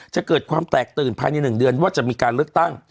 จะเกิดความแตกตื่นภายใน๑เดือนว่าจะมีการเลือกตั้ง